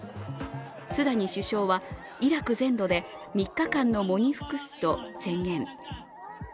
スダニ首相はイラク全土で３日間の喪に服すと宣言。